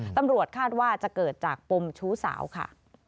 ตำรวจคาดว่าจะเกิดจากปมชู้สาวค่ะ